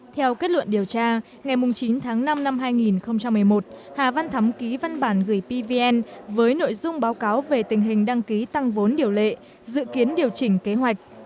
theo kết luận điều tra ngày chín tháng năm năm hai nghìn một mươi một hà văn thắm ký văn bản gửi pvn với nội dung báo cáo về tình hình đăng ký tăng vốn điều lệ dự kiến điều chỉnh kế hoạch